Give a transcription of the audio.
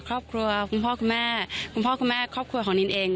ครอบครัวคุณพ่อคุณแม่คุณพ่อคุณแม่ครอบครัวของนินเอง